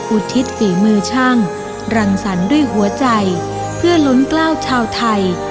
อุทิศฝีมือช่างรังสรรค์ด้วยหัวใจเพื่อล้นกล้าวชาวไทย